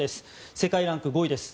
世界ランク５位です。